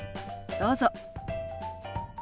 どうぞ。